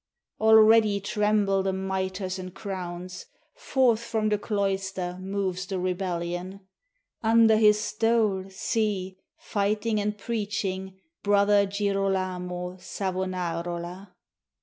Already tremble The mitres and crowns. Forth from the cloister Moves the rebellion. Under his stole, see, Fighting and preaching, Brother Girolamo Savonarola.